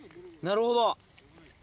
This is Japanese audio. なるほど。